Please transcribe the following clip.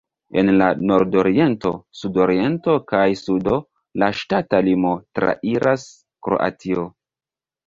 En la nordoriento, sudoriento kaj sudo, la ŝtata limo trairas Kroatio.